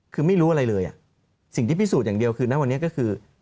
คือไม่รู้อะไรเลยสิ่งที่พิสูจน์อย่างเดียวคือณวันนี้ก็คือ